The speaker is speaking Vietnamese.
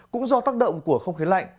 cũng do tác động của không khí lạnh